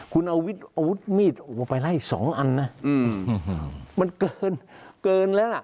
คุณเอาอาวุธมีดออกไปไล่๒อันนะมันเกินแล้วล่ะ